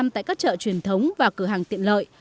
sáu mươi tại các chợ truyền thống và cửa hàng tiện lợi